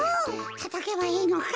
たたけばいいのか？